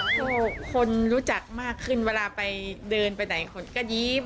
เพราะคนรู้จักมากขึ้นเวลาไปเดินไปจากไหนก็ยี๊บ